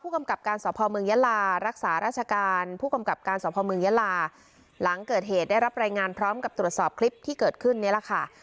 กำกับการสพเมืองยาลารักษาราชการผู้กำกับการสอบภาวเมืองยาลาหลังเกิดเหตุได้รับรายงานพร้อมกับตรวจสอบคลิปที่เกิดขึ้นนี่แหละค่ะ